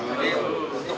untuk itu yang terus